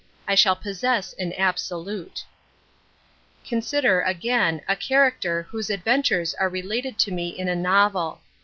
I shall possess an absolute. Consider, again, a character whose ad ventures are related to me in a novel.